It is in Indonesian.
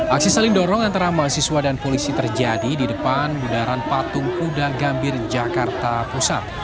aksi saling dorong antara mahasiswa dan polisi terjadi di depan bundaran patung kuda gambir jakarta pusat